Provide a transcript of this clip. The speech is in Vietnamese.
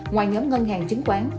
ngoài nhóm ngân hàng chính khoán